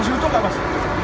masih utuh gak pas